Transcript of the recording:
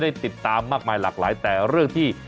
ได้ติดตามมากมายหลากหลายแต่เรื่องที่